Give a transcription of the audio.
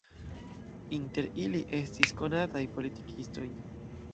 Inter ili estis konataj politikistoj.